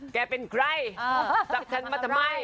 แกเป็นใครจับฉันมาทำไม